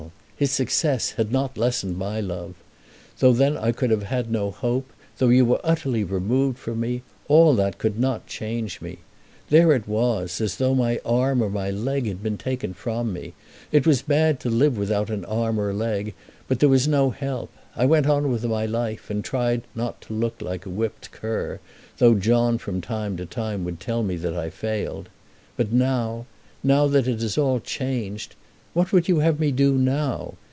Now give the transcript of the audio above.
His success had not lessened my love. Though then I could have no hope, though you were utterly removed from me, all that could not change me. There it was, as though my arm or my leg had been taken from me. It was bad to live without an arm or leg, but there was no help. I went on with my life and tried not to look like a whipped cur; though John from time to time would tell me that I failed. But now; now that it has again all changed, what would you have me do now?